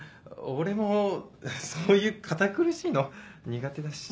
俺もそういう堅苦しいの苦手だし。